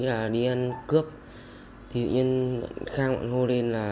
tại ngõ năm trăm năm mươi chín kim nguyên